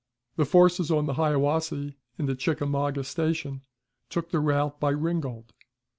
The forces on the Hiawassee and at Chickamauga Station took the route by Ringgold.